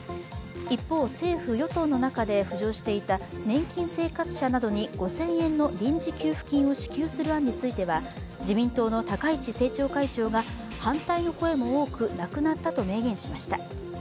一方、政府・与党の中で浮上していた年金生活者などに５０００円の臨時給付金を支給する案については自民党の高市政調会長が反対の声も多く、なくなったと明言しました。